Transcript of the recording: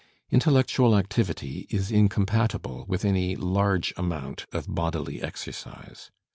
Intellectual activity is incompat ible with any large amount of bodily exercise.